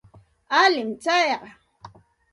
Alin tsayqa.